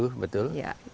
warna biru betul